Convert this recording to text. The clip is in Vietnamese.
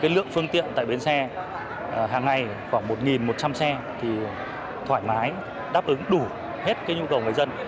lượng phương tiện tại bến xe hàng ngày khoảng một một trăm linh xe thoải mái đáp ứng đủ hết nhu cầu người dân